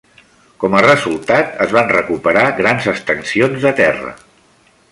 Com a resultat, es van recuperar grans extensions de terra.